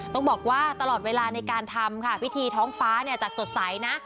ต้องบอกว่าตลอดเวลาในการทำค่ะพิธีท้องฟ้าเนี่ยจะสดใสนะ